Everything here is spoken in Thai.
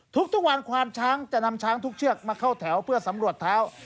ทุกวันควานช้างจะนำช้างทุกเชือกมาเข้าแถวเพื่อสำรวจเท้า